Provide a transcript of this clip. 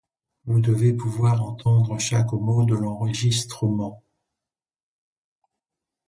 Vous devez pouvoir entendre chaque mot de l’enregistrement.